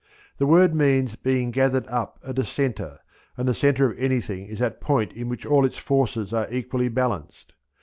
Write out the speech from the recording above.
The, word means being gathered up at a centre, and the centre of anything is that point in which all its forces are equally balanced.